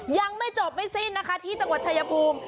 ยังไม่จบไม่สิ้นนะคะที่จังหวัดชายภูมิ